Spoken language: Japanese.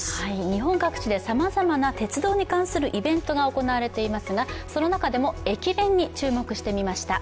日本各地でさまざまな鉄道に関するイベントが行われていますがその中でも駅弁に注目してみました。